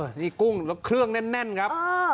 อ้าวนี่กุ้งเครื่องแน่นครับ